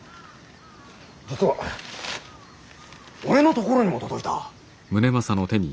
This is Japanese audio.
実は俺のところにも届いた。